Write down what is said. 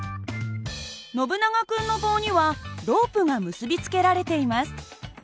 ノブナガ君の棒にはロープが結び付けられています。